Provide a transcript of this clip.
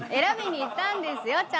選びに行ったんですよ